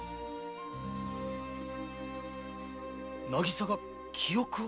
渚が記憶を？